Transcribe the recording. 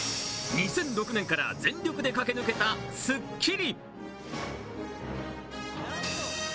２００６年から全力で駆け抜けた『スッキリ』。